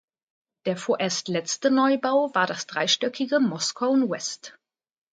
Der vorerst letzte Neubau war das dreistöckige "Moscone West".